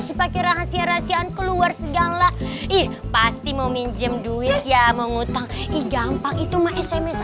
sih pakai rahasia rahasian keluar segala ih pasti mau minjem duit ya mau utang ijampang itu mah sms